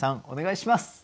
お願いします。